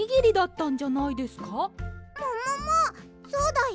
そうだよ。